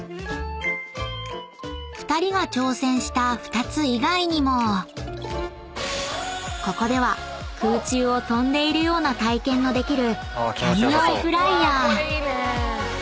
［２人が挑戦した２つ以外にもここでは空中を飛んでいるような体験のできるキャニオンフライや］